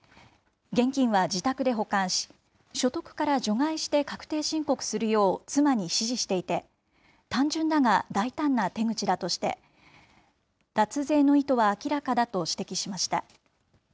現金は自宅で保管し、所得から除外して確定申告するよう妻に指示していて、単純だが大胆な手口だとして、脱税の意図は明らかだと指摘しました。